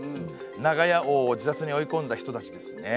長屋王を自殺に追い込んだ人たちですね。